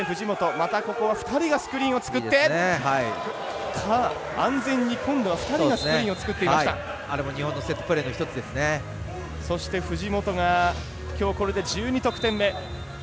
またここは２人がスクリーンをつくって安全に今度は２人がスクリーンをあれも日本のそして藤本がきょう、これで１２得点目。